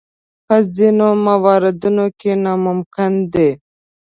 په ځینو موردونو کې ناممکن دي.